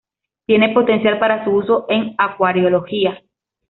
Tiene potencial para su uso en acuariología.